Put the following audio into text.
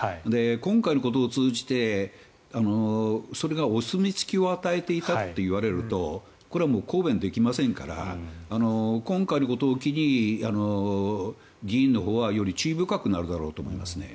今回のことを通じてそれがお墨付きを与えていたといわれるとこれは抗弁できませんから今回のことを機に議員のほうはより注意深くなるだろうと思いますね。